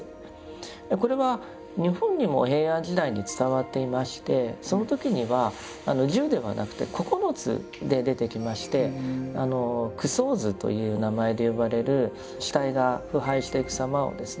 これは日本にも平安時代に伝わっていましてその時には十ではなくて九つで出てきまして「九相図」という名前で呼ばれる死体が腐敗していくさまをですね